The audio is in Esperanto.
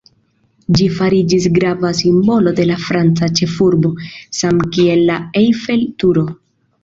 Ĝi fariĝis grava simbolo de la franca ĉefurbo, samkiel la Eiffel-Turo.